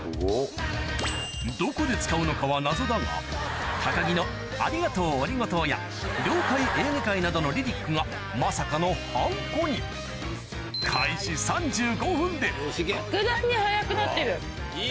どこで使うのかは謎だが高木の「ありがとうオリゴ糖」や「了解エーゲ海」などのリリックがまさかのハンコに格段に早くなってる。